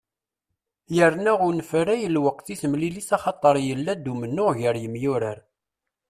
Yerna unefray lweqt i temlilit axaṭer yella-d umennuɣ gar yemyurar.